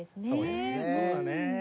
そうですね。